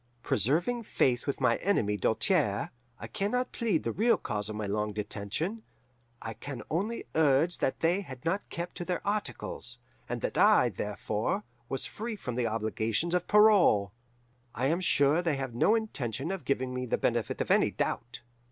Preserving faith with my enemy Doltaire, I can not plead the real cause of my long detention; I can only urge that they had not kept to their articles, and that I, therefore, was free from the obligations of parole. I am sure they have no intention of giving me the benefit of any doubt.